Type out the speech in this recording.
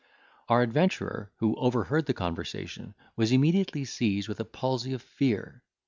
Our adventurer, who overheard the conversation, was immediately seized with a palsy of fear.